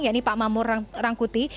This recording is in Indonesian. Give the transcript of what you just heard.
ya ini pak mamur rangkuti